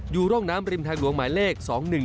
อยู่ร่องน้ำริมทางหลวงหมายเลข๒๑๑